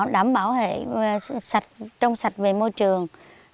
đảm bảo hệ trong sạch về môi trường